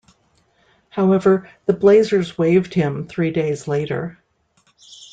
However, the Blazers waived him three days later.